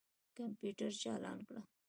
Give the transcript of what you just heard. کمپیوټر چالان کړه.